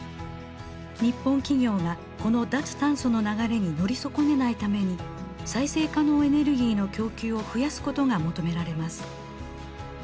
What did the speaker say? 日本企業がこの脱炭素の流れに乗り損ねないために再生可能エネルギーの供給を増やすことが求められます。